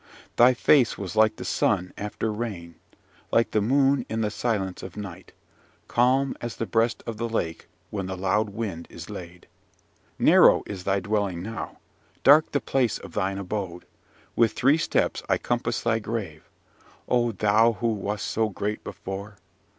Thy face was like the sun after rain: like the moon in the silence of night: calm as the breast of the lake when the loud wind is laid. "Narrow is thy dwelling now! dark the place of thine abode! With three steps I compass thy grave, O thou who wast so great before!